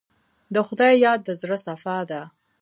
د خدای یاد د زړه صفا ده.